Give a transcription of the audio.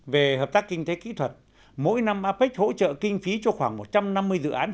về hợp tác kinh tế kỹ thuật mỗi năm apec hỗ trợ kinh phí cho khoảng một trăm năm mươi dự án hợp tác và nâng cấp kinh tế kỹ thuật